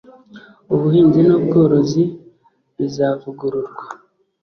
ubuhinzi n ubworozi bizavugururwa